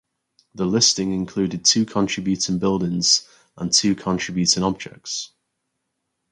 The listing included two contributing buildings and two contributing objects.